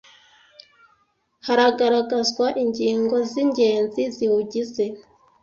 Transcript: hagaragazwa ingingo z’ingenzi ziwugize